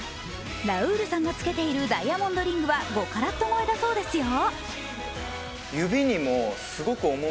ラウールさんがつけているダイヤモンドリングは５カラット超えだそうですよ。